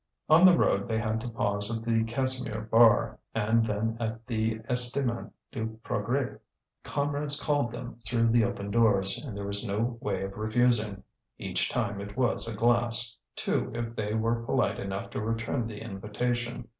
On the road they had to pause at the Casimir Bar, and then at the Estaminet du Progrés. Comrades called them through the open doors, and there was no way of refusing. Each time it was a glass, two if they were polite enough to return the invitation.